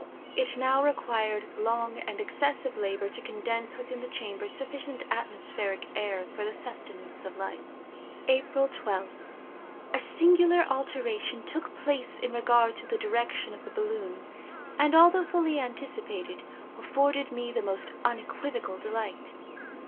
It now required long and excessive labor to condense within the chamber sufficient atmospheric air for the sustenance of life. "April 12th. A singular alteration took place in regard to the direction of the balloon, and although fully anticipated, afforded me the most unequivocal delight.